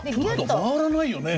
回らないですよね。